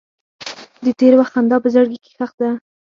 د تېر وخت خندا په زړګي کې ښخ ده.